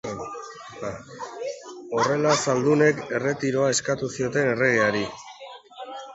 Horrela, zaldunek erretiroa eskatu zioten erregeari.